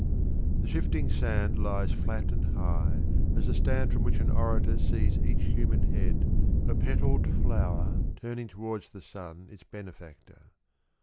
THE shifting sand lies flat and high As the stand from which an orator Sees each human head, a petalled flower Turning towards the Sun its benefactor.